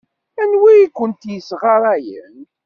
Anwa ay kent-yessɣarayen?